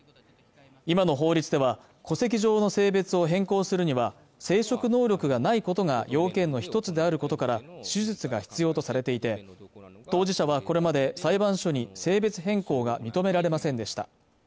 今の法律では戸籍上の性別を変更するには生殖能力がないことが要件の一つであることから手術が必要とされていて当事者はこれまで裁判所に性別変更が認められませんでした